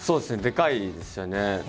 でかいですよね。